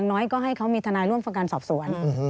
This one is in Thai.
สิทธิ์ที่มีทนายร่วมประกันสอบสวน